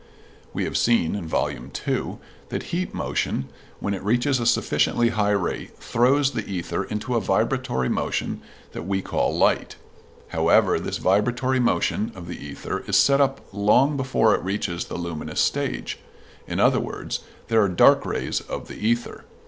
We have seen (Vol. II) that heat motion when it reaches a sufficiently high rate throws the ether into a vibratory motion that we call light. However, this vibratory motion of the ether is set up long before it reaches the luminous stage; in other words, there are dark rays of the ether.